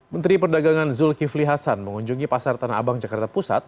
menteri perdagangan zulkifli hasan mengunjungi pasar tanah abang jakarta pusat